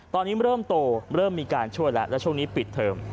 ตอนนี้เริ่มโตเริ่มมีการช่วยแล้วแล้วช่วงนี้ปิดเทอม